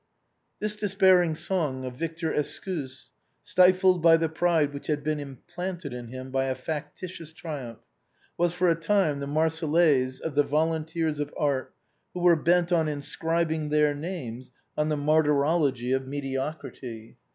This despairing song of Victor Escousse, stifled by the pride which had been implanted in him by a factitious triumph, was for a time the " Marseillaise " of the volun teers of art who were bent on inscribing their names on the martyrology of mediocrity.